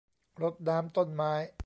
รดน้ำต้นไม้